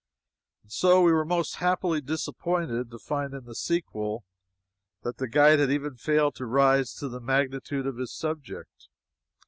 And so we were most happily disappointed to find in the sequel that the guide had even failed to rise to the magnitude of his subject.